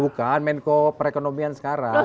bukan menko perekonomian sekarang